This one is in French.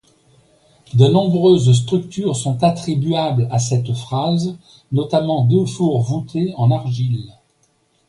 De nombreuses structures sont attribuables à cette phase, notamment deux fours voûtés en argile.